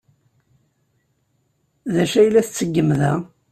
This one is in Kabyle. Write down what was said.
D acu ay la tettgem da?